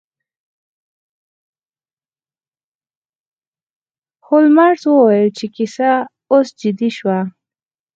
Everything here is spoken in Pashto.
هولمز وویل چې کیسه اوس جدي شوه.